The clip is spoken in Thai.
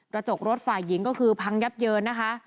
กระจกรถฝ่ายหญิงก็คือพังยับเยินนะคะ